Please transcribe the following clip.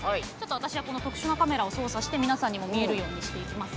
私は特殊なカメラを操作して皆さんに見えるようにします。